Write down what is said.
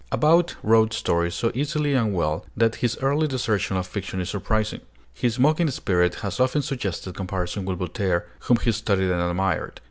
About wrote stories so easily and well that his early desertion of fiction is surprising. His mocking spirit has often suggested comparison with Voltaire, whom he studied and admired.